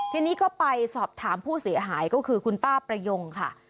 ทีนี้ก็ไปสอบถามผู้เสียหายก็คือคุณป้าประยงค่ะ